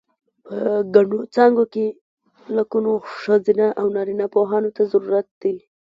په ګڼو څانګو کې لکونو ښځینه و نارینه پوهانو ته ضرورت دی.